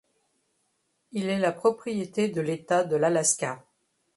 Il est la propriété de l'État de l'Alaska.